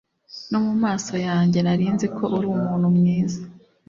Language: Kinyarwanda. no mu maso yanjye narinzi ko uri umuntu mwiza